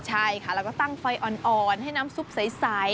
ใช่ค่ะแล้วก็ตั้งไฟอ่อนให้น้ำซุปใส